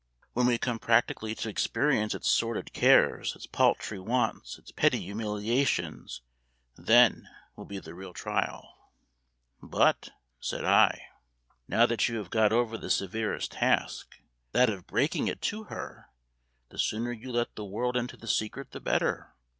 When we come practically to experience its sordid cares, its paltry wants, its petty humiliations then will be the real trial." "But," said I, "now that you have got over the severest task, that of breaking it to her, the sooner you let the world into the secret the better.